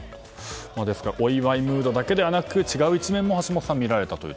ですからお祝いムードだけではなく違う一面も橋下さん